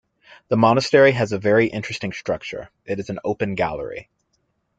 The monastery has a very interesting structure- it is an open gallery.